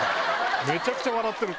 めちゃくちゃ笑ってる。